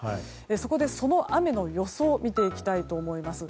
そこで、その雨の予想を見ていきたいと思います。